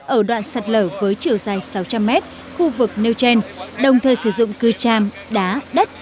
ở đoạn sạt lở với chiều dài sáu trăm linh mét khu vực nêu trên đồng thời sử dụng cư tràm đá đất